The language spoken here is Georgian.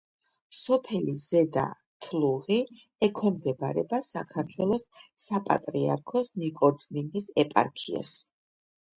სოფელი ზედა თლუღი ექვემდებარება საქართველოს საპატრიარქოს ნიკორწმინდის ეპარქიას.